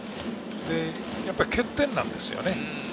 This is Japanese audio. やっぱり欠点なんですよね。